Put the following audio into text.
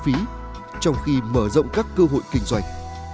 những chi phí trong khi mở rộng các cơ hội kinh doanh